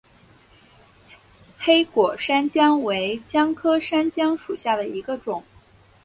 黑果山姜为姜科山姜属下的一个种。